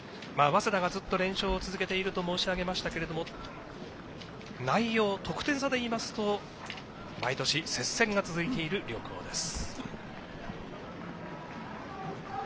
早稲田がずっと連勝を続けていると申し上げましたけれども内容、得点差でいいますと毎年、接戦が続いている両校です。